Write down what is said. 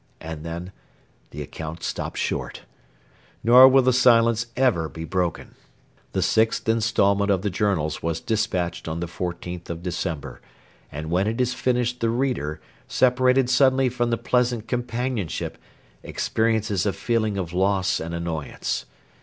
And then the account stops short. Nor will the silence ever be broken. The sixth instalment of the Journals was despatched on the 14th of December; and when it is finished the reader, separated suddenly from the pleasant companionship, experiences a feeling of loss and annoyance.